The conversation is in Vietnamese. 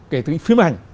kể từ phim ảnh